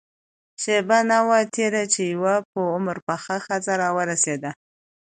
شېبه نه وه تېره چې يوه په عمر پخه ښځه راورسېده.